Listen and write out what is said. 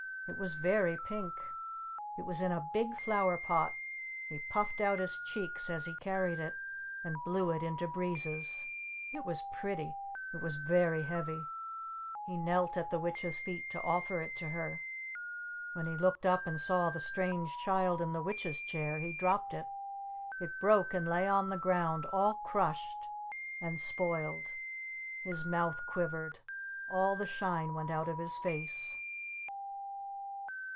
It was very pink! It was in a big flower pot! He puffed out his cheeks as he carried it and blew it into Breezes! It was pretty! It was very heavy! He knelt at the Witch's feet to offer it to her! When he looked up and saw the Strange Child in the Witch's Chair he dropped it! It broke and lay on the ground all crushed and spoiled! His mouth quivered! All the shine went out of his face!